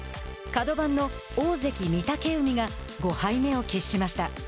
角番の大関・御嶽海が５敗目を喫しました。